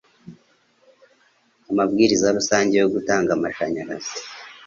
amabwiriza rusange yo gutanga amashanyarazi